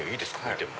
見ても。